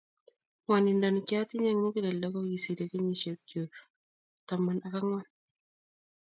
Ng'wanindo nekiatinye eng muguleldo kokiserie kenyisiek chuk ab taman ak ang'wan